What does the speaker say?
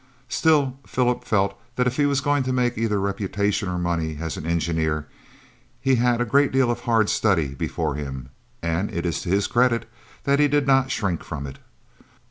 Still Philip felt that if he was going to make either reputation or money as an engineer, he had a great deal of hard study before him, and it is to his credit that he did not shrink from it.